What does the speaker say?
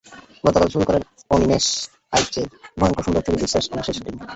গতকাল শুরু করেন অনিমেষ আইচের ভয়ংকর সুন্দর ছবির শেষ অংশের শুটিং।